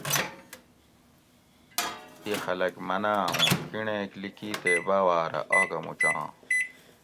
دی خلک مناۤں اوں کِنڑیک لِکی تے باواۤ رہ آگہ مُوچاں